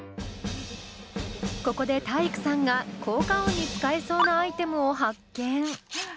ここで体育さんが効果音に使えそうなアイテムを発見。